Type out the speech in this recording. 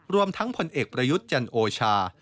รวมทั้งผลเอกประยุทธ์จันโอชา